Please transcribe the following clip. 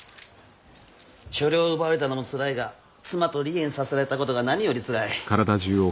所領を奪われたのもつらいが妻と離縁させられたことが何よりつらい。